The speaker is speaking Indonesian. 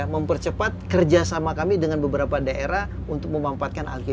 mempercepat kerja sama kami dengan beberapa daerah untuk memanfaatkan alti dua ini